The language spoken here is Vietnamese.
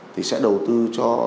thì sẽ đầu tư cho